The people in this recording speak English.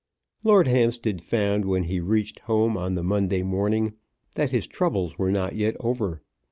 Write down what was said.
Lord Hampstead found, when he reached home on the Monday morning, that his troubles were not yet over.